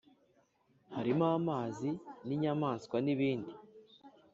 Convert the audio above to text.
harimo amazi n’inyamaswa nibindi